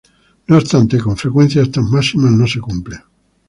No obstante, con frecuencia estas máximas no se cumplen.